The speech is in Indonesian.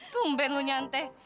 tumben lo nyantai